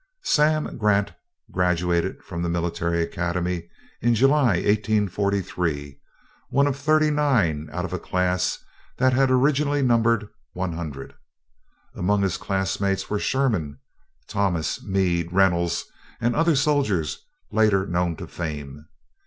"Sam" Grant graduated from the Military Academy in July, 1843, one of thirty nine out of a class that had originally numbered one hundred. Among his classmates were Sherman, Thomas, Meade, Reynolds, and other soldiers later known to fame.